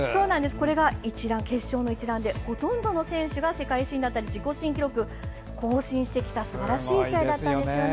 これが決勝の一覧でほとんどの選手が世界新だったり自己新記録を更新してきたすばらしい試合だったんですよね。